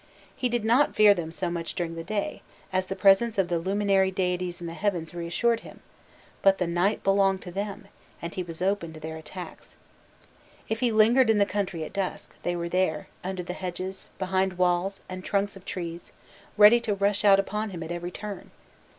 He did not fear them so much during the day, as the presence of the luminary deities in the heavens reassured him; but the night belonged to them, and he was open to their attacks. If he lingered in the country at dusk, they were there, under the hedges, behind walls and trunks of trees, ready to rush out upon him at every turn.